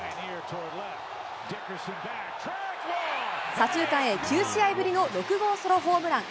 左中間へ９試合ぶりの６号ソロホームラン。